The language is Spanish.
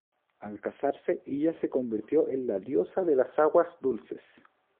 Al casarse, ella se convirtió en la diosa de las aguas dulces.